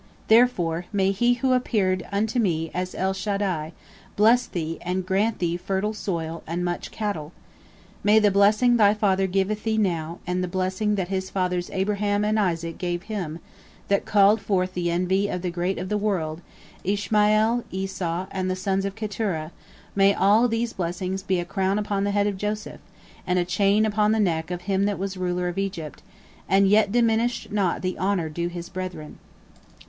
Therefore may He who appeared unto me as El Shaddai bless thee and grant thee fertile soil and much cattle. May the blessing thy father giveth thee now, and the blessing that his fathers Abraham and Isaac gave him, and that called forth the envy of the great of the world, Ishmael, Esau, and the sons of Keturah—may all these blessings be a crown upon the head of Joseph, and a chain upon the neck of him that was the ruler of Egypt, and yet diminished not the honor due to his brethren."